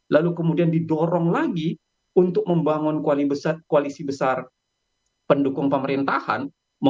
lalu kemudian didorong lagi untuk membangun koalisi besar pendukung pemerintahan